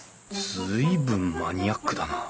随分マニアックだな